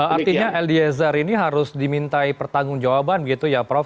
artinya eliezer ini harus dimintai pertanggung jawaban begitu ya prof